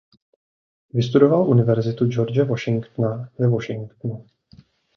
Vystudoval Univerzitu George Washingtona ve Washingtonu.